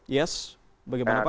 yes bagaimana pak